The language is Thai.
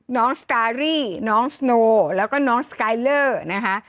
สตารี่น้องสโนแล้วก็น้องสกายเลอร์นะคะ